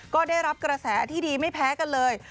ก็ได้รับกระแสที่ดีไม่แพ้กันเลย